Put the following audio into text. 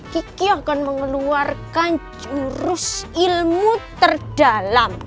kiki akan mengeluarkan jurus ilmu terdalam